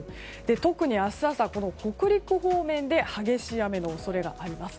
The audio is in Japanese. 特に明日朝、北陸方面で激しい雨の恐れがあります。